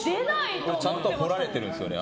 ちゃんと彫られているんですよね。